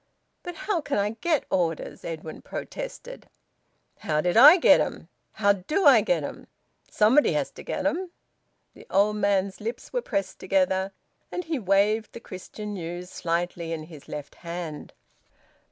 "But how can I get orders?" Edwin protested. "How did I get 'em? How do I get 'em? Somebody has to get 'em." The old man's lips were pressed together, and he waved "The Christian News" slightly in his left hand.